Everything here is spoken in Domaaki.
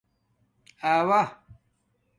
آݸ